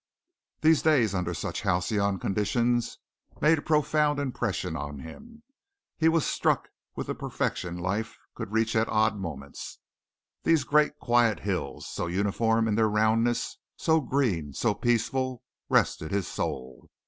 These days, under such halcyon conditions, made a profound impression on him. He was struck with the perfection life could reach at odd moments. These great quiet hills, so uniform in their roundness, so green, so peaceful, rested his soul.